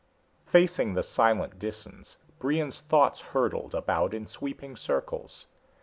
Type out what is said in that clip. XI Facing the silent Disans, Brion's thoughts hurtled about in sweeping circles.